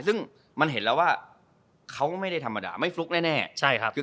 ซึ่งมันเห็นแล้วว่าเขาไม่ได้ธรรมดาไม่ฟลุกแน่